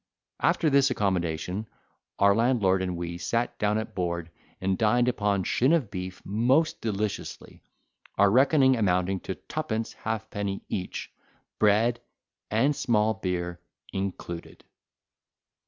After this accommodation, our landlord and we sat down at a board, and dined upon shin of beef most deliciously; our reckoning amounting to twopence halfpenny each, bread and small beer included.